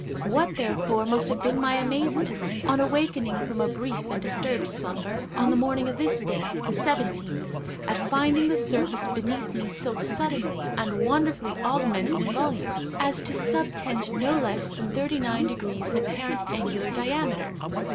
What, therefore, must have been my amazement, on awakening from a brief and disturbed slumber, on the morning of this day, the seventeenth, at finding the surface beneath me so suddenly and wonderfully augmented in volume, as to subtend no less than thirty nine degrees in apparent angular diameter!